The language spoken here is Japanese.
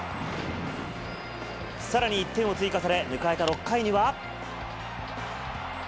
さらに１点を追加され、迎えた６回には。